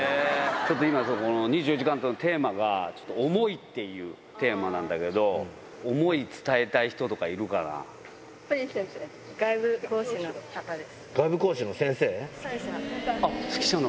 ちょっと今、ことしの２４時間テレビのテーマが、ちょっと想いっていうテーマなんだけど、想い伝えたい人とかいるかな？